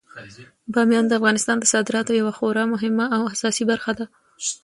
بامیان د افغانستان د صادراتو یوه خورا مهمه او اساسي برخه ده.